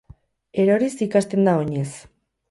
Eroriz ikasten da oinez.